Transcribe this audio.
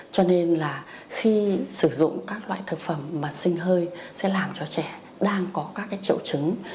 cho nên là khi sử dụng các loại thực phẩm mà sinh hơi sẽ làm cho trẻ đang có các triệu chứng